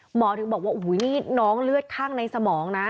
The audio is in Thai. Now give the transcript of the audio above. หมอถึงบอกว่าโอ้โหนี่น้องเลือดข้างในสมองนะ